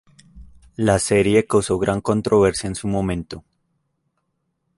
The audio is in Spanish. La serie causó gran controversia en su momento.